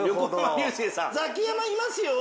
ザキヤマいますよ！